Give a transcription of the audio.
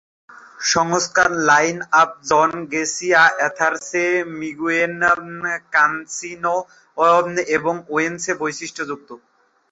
সংস্কার line up John Garcia, Arthur সে, Miguel Cancino এবং ওয়েন সে বৈশিষ্ট্যযুক্ত।